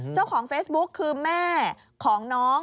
เจ้าของเฟซบุ๊กคือแม่ของน้อง